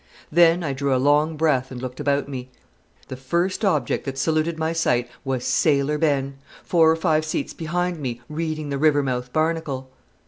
Then I drew a long breath and looked about me. The first object that saluted my sight was Sailor Ben, four or five seats behind me, reading the Rivermouth Barnacle!